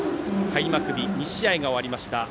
開幕日２試合が終わりました。